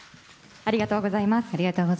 ありがとうございます。